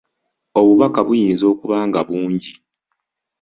Obubaka buyinza okuba nga bungi.